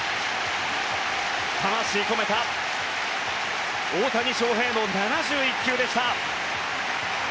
魂込めた大谷翔平の７１球でした。